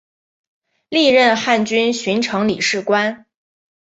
历任汉军巡城理事官。